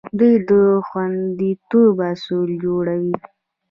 دوی د خوندیتوب اصول جوړوي.